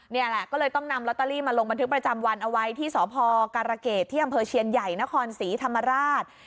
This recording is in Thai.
นี่แหละก็เลยต้องนำลอตเตอรี่มาลงบันทึกประจำวันเอาไว้ที่สพการเกษที่อำเภอเชียนใหญ่นครศรีธรรมราช